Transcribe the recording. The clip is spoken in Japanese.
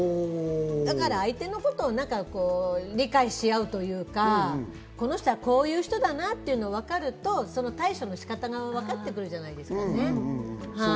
相手のことを理解し合うというか、この人はこういう人だなっていうのが分かると対処の仕方がわかってくるじゃないですか。